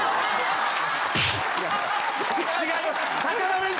違います。